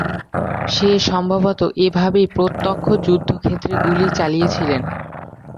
সে সম্ভবত এভাবেই প্রত্যক্ষ যুদ্ধক্ষেত্রে গুলি চালিয়েছিল।